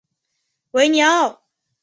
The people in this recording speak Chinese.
维尼奥。